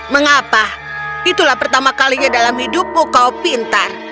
mengapa itulah pertama kalinya dalam hidupmu kau pintar